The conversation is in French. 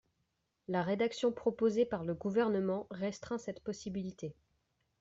La rédaction proposée par le Gouvernement restreint cette possibilité.